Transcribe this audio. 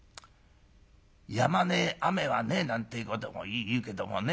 やまねえ雨はねえなんてえことも言うけどもね